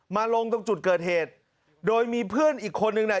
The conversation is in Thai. มาลงตรงจุดเกิดเหตุโดยมีเพื่อนอีกคนนึงน่ะ